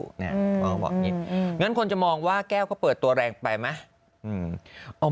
หมอบอกอย่างนี้งั้นคนจะมองว่าแก้วเขาเปิดตัวแรงไปไหม